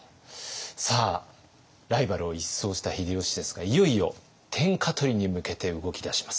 さあライバルを一掃した秀吉ですがいよいよ天下取りに向けて動き出します。